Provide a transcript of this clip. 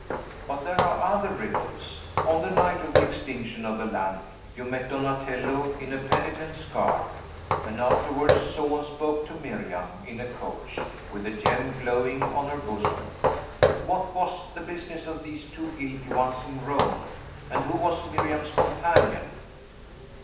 But there are other riddles. On the night of the extinction of the lamp, you met Donatello, in a penitent's garb, and afterwards saw and spoke to Miriam, in a coach, with a gem glowing on her bosom. What was the business of these two guilty ones in Rome, and who was Miriam's companion?"